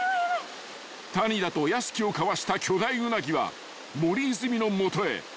［谷田と屋敷をかわした巨大ウナギは森泉の元へ］